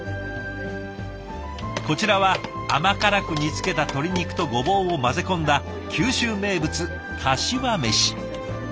こちらは甘辛く煮つけた鶏肉とごぼうを混ぜ込んだ九州名物かしわめし。